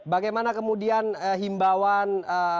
bagaimana kemudian himbawan